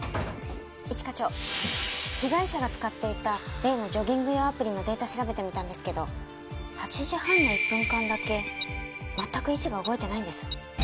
一課長被害者が使っていた例のジョギング用アプリのデータ調べてみたんですけど８時半の１分間だけ全く位置が動いていないんです。